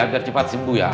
agar cepat sembuh ya